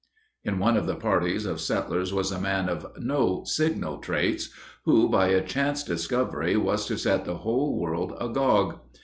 In one of the parties of settlers was a man of no signal traits, who, by a chance discovery, was to set the whole world agog.